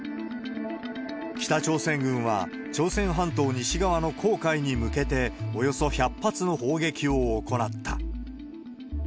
北朝鮮軍は、朝鮮半島西側の黄海に向けて、およそ１００発の砲撃を行った。